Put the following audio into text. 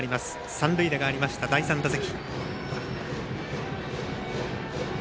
三塁打がありました、第３打席。